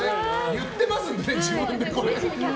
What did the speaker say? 言っていますんで、自分で。